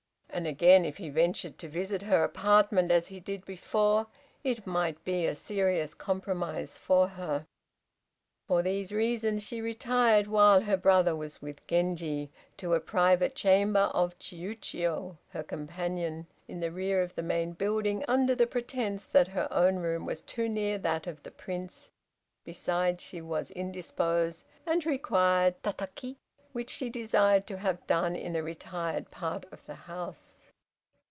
And again, if he ventured to visit her apartment, as he did before, it might be a serious compromise for her. For these reasons she retired while her brother was with Genji, to a private chamber of Chiûjiô, her companion, in the rear of the main building, under the pretence that her own room was too near that of the Prince, besides she was indisposed and required "Tataki," which she desired to have done in a retired part of the house.